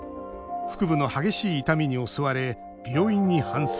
腹部の激しい痛みに襲われ病院に搬送。